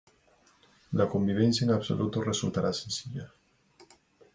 La convivencia en absoluto resultará sencilla.